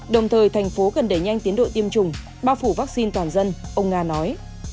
đồng thời thành phố cần đẩy nhanh tiến độ tiêm chủng bao phủ vaccine toàn dân ông nga nói